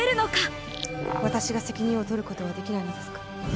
私が責任を取ることはできないのですか。